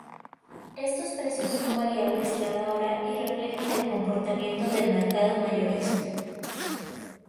Estos precios son variables cada hora y reflejan el comportamiento del mercado mayorista.